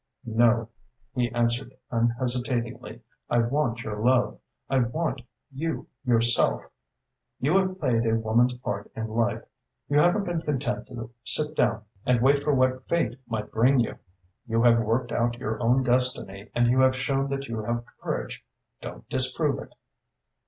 "No!" he answered unhesitatingly. "I want your love, I want you yourself. You have played a woman's part in life. You haven't been content to sit down and wait for what fate might bring you. You have worked out your own destiny and you have shown that you have courage. Don't disprove it."